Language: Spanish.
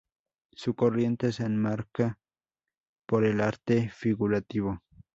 Su corriente se enmarca por el arte figurativo.